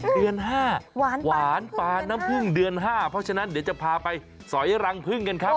เดือน๕หวานปลาน้ำพึ่งเดือน๕เพราะฉะนั้นเดี๋ยวจะพาไปสอยรังพึ่งกันครับ